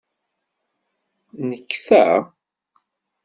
Nnek ta?